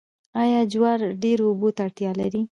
آیا جوار ډیرو اوبو ته اړتیا لري؟